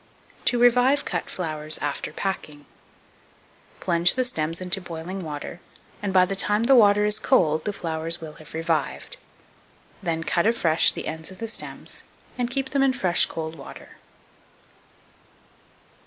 To revive cut Flowers after packing. 2290. Plunge the stems into boiling water, and by the time the water is cold, the flowers will have revived. Then cut afresh the ends of the stems, and keep them in fresh cold water.